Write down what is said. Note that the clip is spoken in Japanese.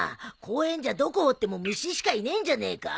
公園じゃどこ掘っても虫しかいねえんじゃねえか？